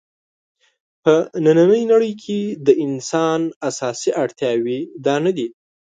په نننۍ نړۍ کې د انسان اساسي اړتیاوې دا نه دي.